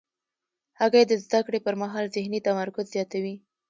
هګۍ د زده کړې پر مهال ذهني تمرکز زیاتوي.